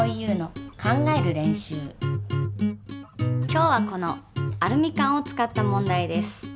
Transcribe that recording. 今日はこのアルミ缶を使った問題です。